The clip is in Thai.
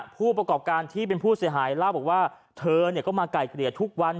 ผู้ประกอบการที่เป็นผู้เสียหายเล่าบอกว่าเธอก็มาไก่เกลี่ยทุกวัน